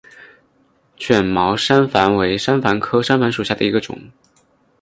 卷毛山矾为山矾科山矾属下的一个种。